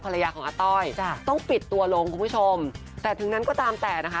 ภรรยาของอาต้อยจ้ะต้องปิดตัวลงคุณผู้ชมแต่ถึงนั้นก็ตามแต่นะคะ